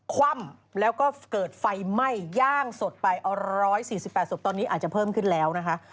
คว่ำแล้วก็เกิดไฟไหม้ย่างสดไปเอา๑๔๘ศพตอนนี้อาจจะเพิ่มขึ้นแล้วนะคะ